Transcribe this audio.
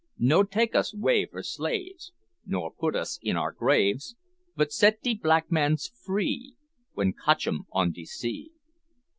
No' take us 'way for slaves, Nor put us in our graves, But set de black mans free, W'en cotch um on de sea.